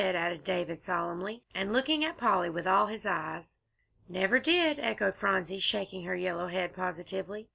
added David, solemnly, and looking at Polly with all his eyes. "Never did!" echoed Phronsie, shaking her yellow head positively.